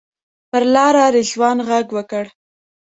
پر لاره رضوان غږ وکړ.